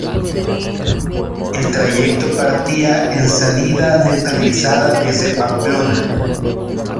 El trayecto partía en salida neutralizada desde Pamplona.